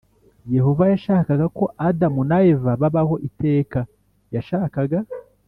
Yehova yashakaga ko adamu na eva babaho iteka yashakaga